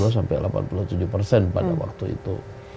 delapan puluh dua sampai delapan puluh tujuh persen pada waktu itu